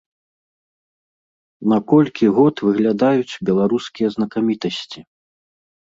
На колькі год выглядаюць беларускія знакамітасці?